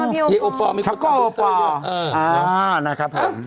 อ๋อพี่โอปอร์ชักก็โอปอร์อ๋อนะครับครับ